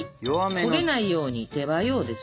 焦げないように手早うです。